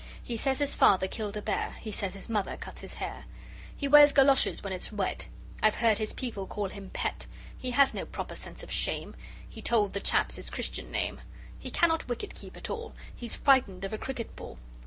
He says his father killed a bear. He says his mother cuts his hair. He wears goloshes when it's wet. I've heard his people call him "Pet"! He has no proper sense of shame; He told the chaps his Christian name. He cannot wicket keep at all, He's frightened of a cricket ball.